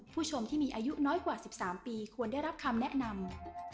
ผู้ชมที่มีอายุน้อยกว่า๑๓ปีควรได้รับคำแนะนำ